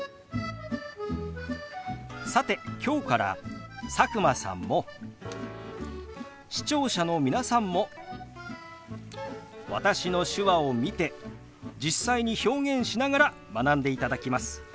さて今日から佐久間さんも視聴者の皆さんも私の手話を見て実際に表現しながら学んでいただきます。